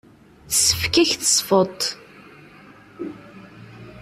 Tessefk-ak tesfeḍt.